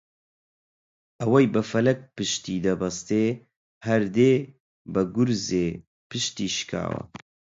ئەوەی بە فەلەک پشتیدەبەستێ هەر دێ بە گورزێ پشتی شکاوە